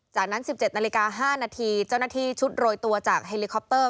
จากนั้น๑๗นาฬิกา๕นาทีเจ้าหน้าที่ชุดโรยตัวจากเฮลิคอปเตอร์